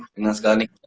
dengan segala niat